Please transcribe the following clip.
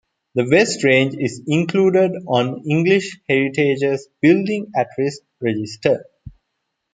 The West Range is included on English Heritage's "Buildings At Risk" register.